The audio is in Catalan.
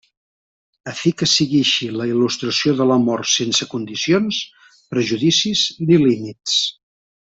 A fi que sigui així la il·lustració de l'amor sense condicions, prejudicis ni límits.